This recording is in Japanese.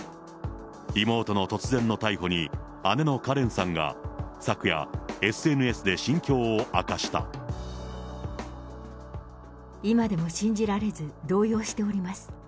妹の突然の逮捕に、姉のカレンさんが昨夜、今でも信じられず、動揺しております。